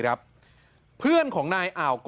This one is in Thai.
เฮ้ยเฮ้ยเฮ้ย